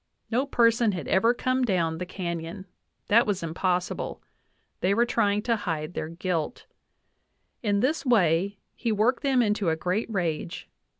No person had ever come down the canyon ; that was impossible ; they were trying to hide their guilt. ... In this way he worked them into a great rage.